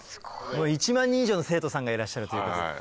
１万人以上の生徒さんがいらっしゃるということで。